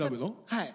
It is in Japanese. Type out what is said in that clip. はい。